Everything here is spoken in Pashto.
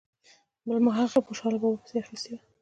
بل محقق په خوشال بابا پسې اخیستې وي.